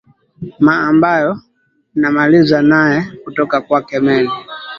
ma ambayo namaliza naye kutoka kwake meli